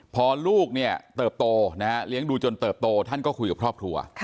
พอลูกเนี่ยเติบโตนะฮะเลี้ยงดูจนเติบโตท่านก็คุยกับครอบครัว